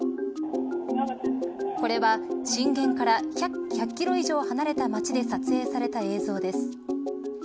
これは震源から１００キロ以上離れた町で撮影された映像です。